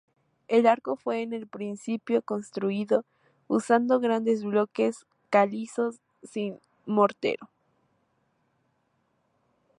El arco fue en un principio construido usando grandes bloques calizos sin mortero.